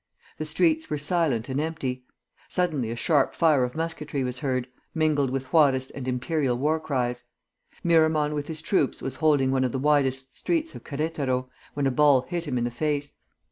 The streets were silent and empty. Suddenly a sharp fire of musketry was heard, mingled with Juarist and Imperial war cries. Miramon with his troops was holding one of the widest streets of Queretaro, when a ball hit him in the face.